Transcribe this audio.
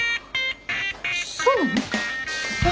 そうなの？